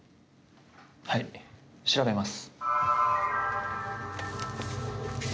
はい調べます。